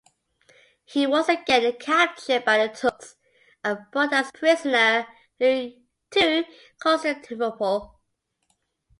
He was again captured by the Turks, and brought as prisoner to Constantinople.